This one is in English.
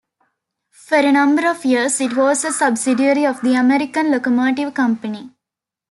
For a number of years it was a subsidiary of the American Locomotive Company.